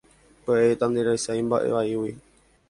Pya'e tanderesarái mba'e vaígui.